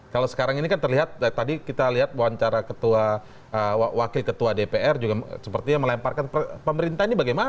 kalau sekarang ini kan terlihat tadi kita lihat wawancara wakil ketua dpr juga sepertinya melemparkan pemerintah ini bagaimana